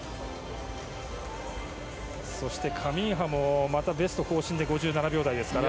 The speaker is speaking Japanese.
カミンハもまたベスト更新で５７秒台ですから。